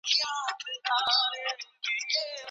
حقوقو پوهنځۍ له اجازې پرته نه کارول کیږي.